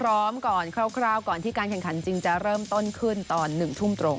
พร้อมก่อนคร่าวก่อนที่การแข่งขันจริงจะเริ่มต้นขึ้นตอน๑ทุ่มตรง